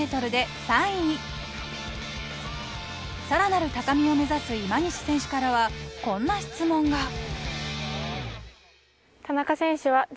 さらなる高みを目指す今西選手からはこんな質問が。